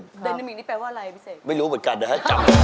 ดานามิกนี้แปลว่าอะไรพี่เสกไม่รู้เหมือนกันนะฮะ